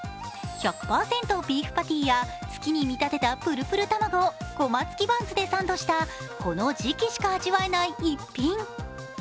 １００％ビーフパティや月に見立てたぷるぷる卵をごまつきバンズでサンドした、この時期しか味わえない逸品。